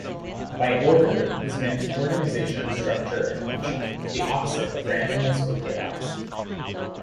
By 'order' is meant organisation, structure and function: the opposite of randomness or chaos.